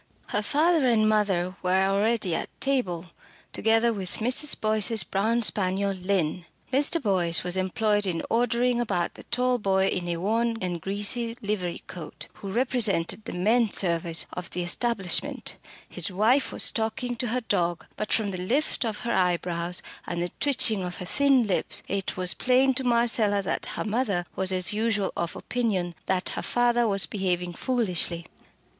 Her father and mother were already at table, together with Mrs. Boyce's brown spaniel Lynn. Mr. Boyce was employed in ordering about the tall boy in a worn and greasy livery coat, who represented the men service of the establishment; his wife was talking to her dog, but from the lift of her eyebrows, and the twitching of her thin lips, it was plain to Marcella that her mother was as usual of opinion that her father was behaving foolishly.